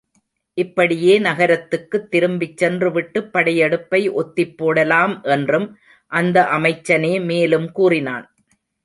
இப்படியே நகரத்துக்குத் திரும்பிச் சென்று விட்டுப் படையெடுப்பை ஒத்திப் போடலாம் என்றும் அந்த அமைச்சனே மேலும் கூறினான்.